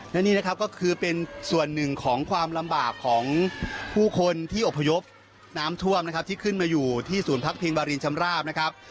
และนี่นะครับก็คือเป็นส่วนหนึ่งของความลำบากของผู้คนที่อพยพน้ำท่วมนะครับที่ขึ้นมาอยู่ที่ศูนย์พักพิงวารินชำราบนะครับ